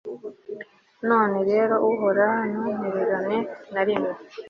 none rero, uhoraho, ntuntererane na rimwe